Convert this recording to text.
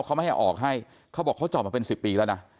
เขาไม่ให้ออกให้เขาบอกเขาจอดมาเป็น๑๐ปีแล้วนะ